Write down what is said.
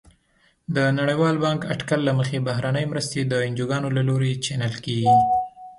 د نړیوال بانک اټکل له مخې بهرنۍ مرستې د انجوګانو له لوري چینل کیږي.